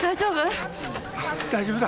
大丈夫？